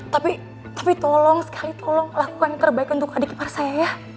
tapi tapi tolong sekali tolong lakukan yang terbaik untuk adik ipar saya ya